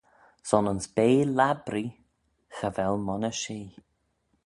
Son ayns bea labbree cha vel monney shee.